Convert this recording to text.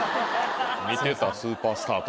見てたスーパースターと。